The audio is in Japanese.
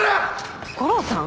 悟郎さん？